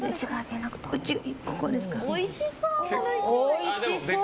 おいしそう！